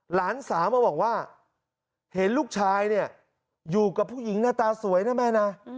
หลานสาวมาบอกว่าเห็นลูกชายเนี่ยอยู่กับผู้หญิงหน้าตาสวยนะแม่นะ